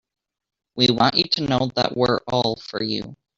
We want you to know that we're all for you.